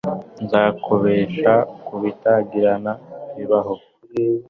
nzabukesha kutibagirana bibaho